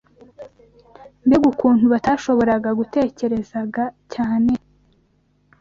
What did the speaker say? mbega ukuntu batashoboraga gutekerezaga cyane